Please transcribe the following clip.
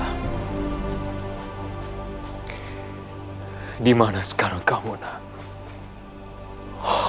pertama dimana sekarang kamu nak